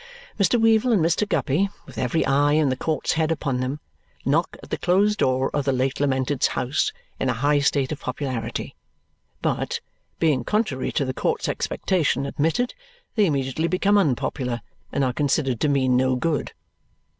Mr. Weevle and Mr. Guppy, with every eye in the court's head upon them, knock at the closed door of the late lamented's house, in a high state of popularity. But being contrary to the court's expectation admitted, they immediately become unpopular and are considered to mean no good.